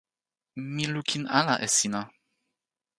mi lukin ala e sina.